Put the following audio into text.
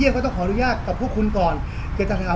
ก็ต้องขออนุญาตด้วยครั้งนี้ก่อน